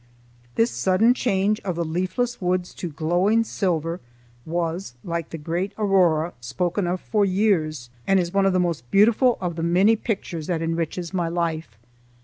This sudden change of the leafless woods to glowing silver was, like the great aurora, spoken of for years, and is one of the most beautiful of the many pictures that enriches my life.